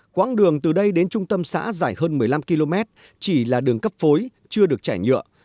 quãng đường từ đây đến trung tâm xã dài hơn một mươi năm km chỉ là đường cấp phối chưa được chảy nhựa